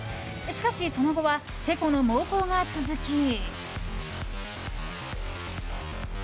しかし、その後はチェコの猛攻が続き。